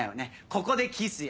ここでキスよ。